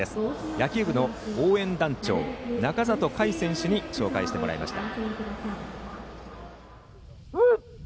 野球部の応援団長、仲里佳選手に紹介してもらいました。